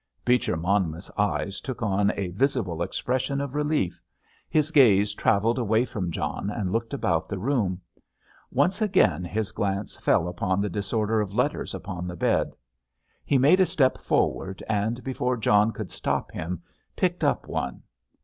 Beecher Monmouth's eyes took on a visible expression of relief; his gaze travelled away from John and looked about the room. Once again his glance fell upon the disorder of letters upon the bed. He made a step forward and, before John could stop him, picked up one.